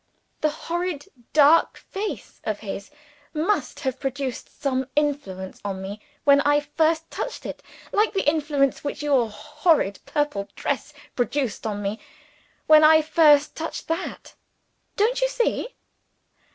That horrid dark face of his must have produced some influence on me when I first touched it, like the influence which your horrid purple dress produced on me, when I first touched that. Don't you see?"